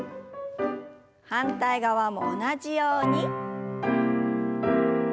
反対側も同じように。